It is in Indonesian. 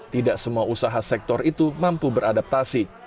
tidak semua usaha sektor itu mampu beradaptasi